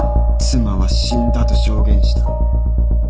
「妻は死んだ」と証言した。